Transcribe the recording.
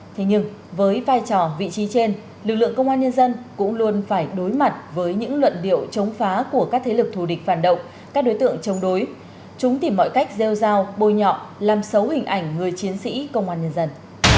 thế nhưng với vai trò vị trí trên lực lượng công an nhân dân cũng luôn phải đối mặt với những luận điệu chống phá của các thế lực thù địch phản động các đối tượng chống đối chúng tìm mọi cách gieo giao bôi nhọ làm xấu hình ảnh người chiến sĩ công an nhân dân